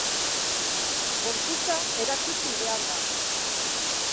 Gorputza erakutsi behar da.